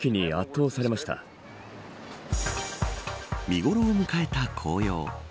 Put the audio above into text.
見頃を迎えた紅葉。